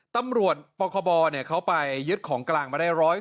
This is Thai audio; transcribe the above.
ตำรวจปคบเขาไปยึดของกลางมาได้๑๐